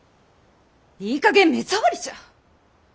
いいかげん目障りじゃ。